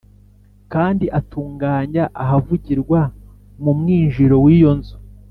Kandi atunganya ahavugirwa mu mwinjiro w’iyo nzu